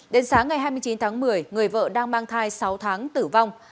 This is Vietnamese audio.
đến sáng ngày hai mươi chín tháng một mươi người vợ đang mang thai sáu tháng tử vong